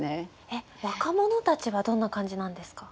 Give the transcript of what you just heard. えっ若者たちはどんな感じなんですか？